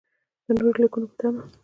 د نورو لیکنو په تمه.